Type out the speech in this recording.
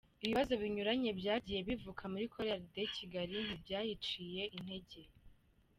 Ibibazo binyuranye byagiye bivuka muri Chorale de Kigali ntibyayiciye intege.